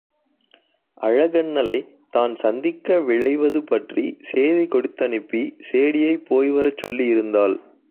அழகண்ணலைத் தான் சந்திக்க விழைவது பற்றிச் சேதி கொடுத்தனுப்பி சேடியைப் போய்வரச் சொல்லியிருந்தாள்.